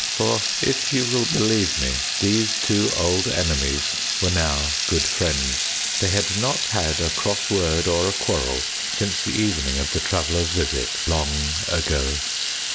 For, if you will believe me, these two old enemies were now good friends. They had not had a cross word or a quarrel since the evening of the Traveler's visit long ago.